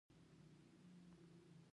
د ایران کانونه ډیر بډایه دي.